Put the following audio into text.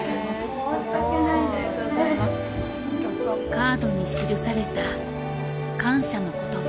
カードに記された感謝の言葉。